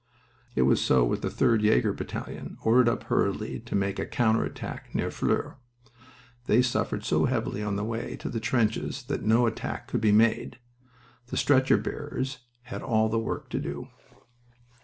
It was so with the 3d Jager Battalion, ordered up hurriedly to make a counter attack near Flers. They suffered so heavily on the way to the trenches that no attack could be made. The stretcher bearers had all the work to do.